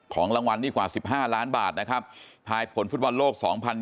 ของรางวัลนี่กว่า๑๕ล้านบาทนะครับทายผลฟุตบอลโลก๒๐๒๐